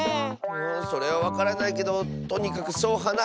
それはわからないけどとにかくそうはなしてたッス。